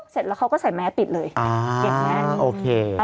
เสร็จแล้วเขาก็ใส่แม้ปิดเลยเก็บแม้